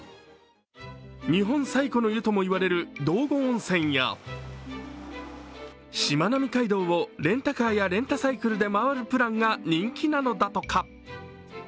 日本最古の湯ともいわれる道後温泉やしまなみ海道をレンタカーやレンタサイクルで回るプランが人気なのだとか。